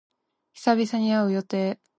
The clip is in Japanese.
久々に会う予定。